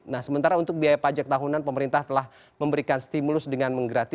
nah sementara untuk biaya pajak tahunan pemerintah telah memberikan stimulus dengan menggratis